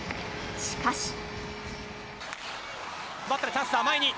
しかし。